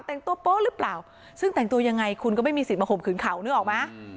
แต่งตัวโป๊ะหรือเปล่าซึ่งแต่งตัวยังไงคุณก็ไม่มีสิทธิมาข่มขืนเขานึกออกไหม